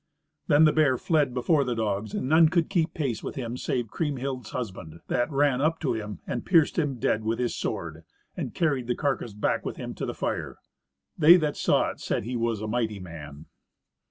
Then the bear fled before the dogs, and none could keep pace with him save Kriemhild's husband, that ran up to him and pierced him dead with his sword, and carried the carcase back with him to the fire. They that saw it said he was a mighty man.